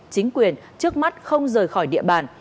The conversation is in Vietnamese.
chính quyền trước mắt không rời khỏi địa bàn